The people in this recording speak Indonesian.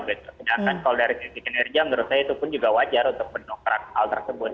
sedangkan kalau dari sisi kinerja menurut saya itu pun juga wajar untuk mendongkrak hal tersebut